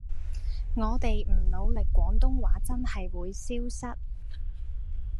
我地唔努力廣東話真係會消失